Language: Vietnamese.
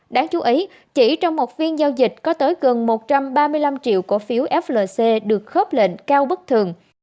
đáng chú ý chỉ trong một phiên giao dịch có tới gần một trăm ba mươi năm triệu cổ phiếu flc được khớp lệnh cao bất thường